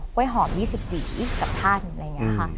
กล้วยหอม๒๐บิสักท่านอะไรอย่างนี้ค่ะ